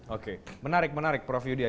oke menarik prof yudhya